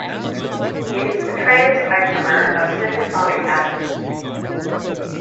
It is the "trans"-isomer of citraconic acid.